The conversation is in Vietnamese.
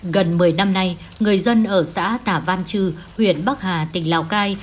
gần một mươi năm nay người dân ở xã tả văn chư huyện bắc hà tỉnh lào cai